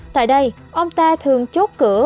tại đây ông ta thường chốt cửa